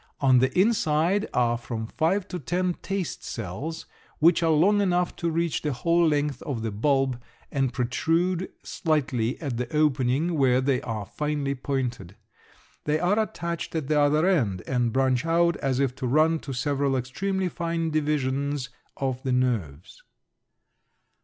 On the inside are from five to ten taste cells which are long enough to reach the whole length of the bulb and protrude slightly at the opening where they are finely pointed. They are attached at the other end and branch out as if to run to several extremely fine divisions of the nerves.